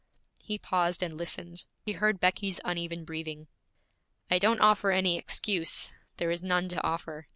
He paused and listened. He heard Becky's uneven breathing. 'I don't offer any excuse; there is none to offer.